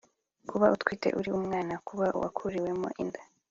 Kuba utwite ari umwana, kuba uwakuriwemo inda